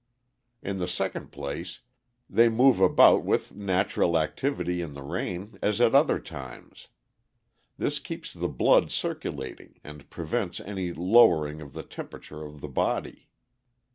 In the second place, they move about with natural activity in the rain as at other times. This keeps the blood circulating and prevents any lowering of the temperature of the body.